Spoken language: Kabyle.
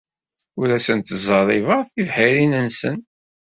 Ur asen-d-ttẓerribeɣ tibḥirin-nsen.